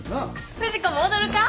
不二子も踊るか？